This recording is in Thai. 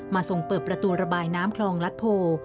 ส่งเปิดประตูระบายน้ำคลองลัดโพ